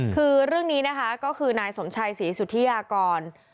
คือเรื่องนี้นะคะก็คือนายสมชัยศรีสุธิยากร